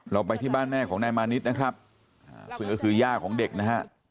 ไปที่บ้านแม่ของนายมานิดนะครับซึ่งก็คือย่าของเด็กนะฮะ